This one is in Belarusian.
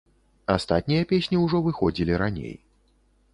Астатнія песні ўжо выходзілі раней.